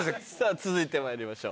続いてまいりましょう。